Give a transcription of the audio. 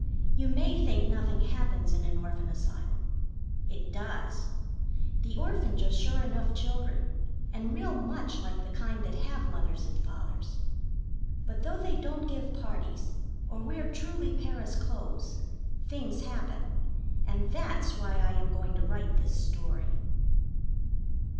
You may think nothing happens in an Orphan Asylum. It does. The orphans are sure enough children, and real much like the kind that have Mothers and Fathers; but though they don't give parties or wear truly Paris clothes, things happen, and that's why I am going to write this story.